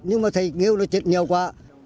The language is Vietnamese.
nhưng mà thầy nghêu nó chết nhiều quá